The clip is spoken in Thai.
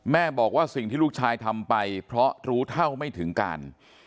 บอกว่าสิ่งที่ลูกชายทำไปเพราะรู้เท่าไม่ถึงการ